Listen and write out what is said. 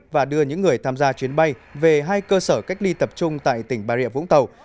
và đưa những người tham gia chuyến bay về hai cơ sở cách ly tập trung tại tỉnh bà rịa vũng tàu